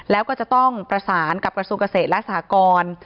แล้วก็จะต้องประสานกับกระทรวงเกษตรและสหกร